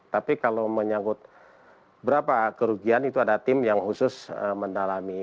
tapi kalau menyangkut berapa kerugian itu ada tim yang khusus mendalami